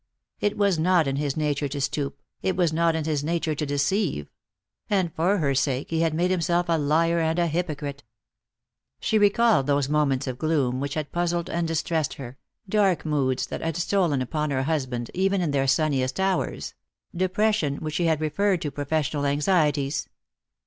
It was not in his nature to stoop, it was not in his nature to deceive ; and for her sake he had made himself a liar and a hypocrite. She recalled those moments of gloom which had puzzled and distressed her — dark moods that had stolen upon her husband even in their sunniest hours — depression which he had referred to professional anxieties.